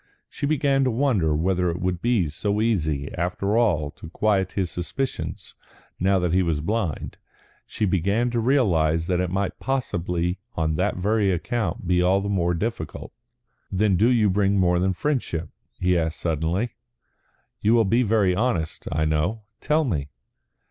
She began to wonder whether it would be so easy after all to quiet his suspicions now that he was blind; she began to realise that it might possibly on that very account be all the more difficult. "Then do you bring more than friendship?" he asked suddenly. "You will be very honest, I know. Tell me."